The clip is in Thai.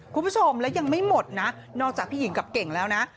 คุณผู้ชมและยังไม่หมดนะนอกจากพี่หญิงกับเก่งแล้วนะ